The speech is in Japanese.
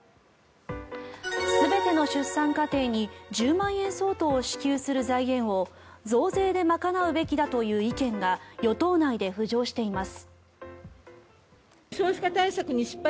全ての出産家庭に１０万円相当を支給する財源を増税で賄うべきだという意見が与党内で浮上しています。